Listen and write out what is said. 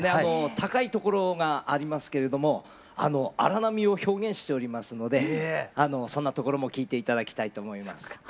高い所がありますけれども荒波を表現しておりますのでそんなところも聴いて頂きたいと思います。